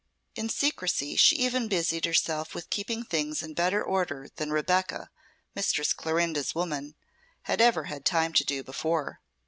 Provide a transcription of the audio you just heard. In secrecy she even busied herself with keeping things in better order than Rebecca, Mistress Clorinda's woman, had ever had time to do before.